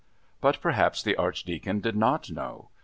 But perhaps the Archdeacon did not know.